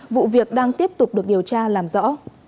vụ việc đang tiếp tục được điều tra làm rõ